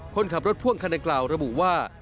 คนขับรถพ่วงคันดังกล่าวระบุว่า